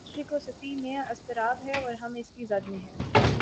مشرق وسطی میں اضطراب ہے اور ہم اس کی زد میں ہیں۔